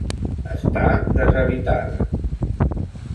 Està deshabitada.